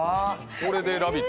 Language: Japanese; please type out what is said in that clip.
これで「ラヴィット！」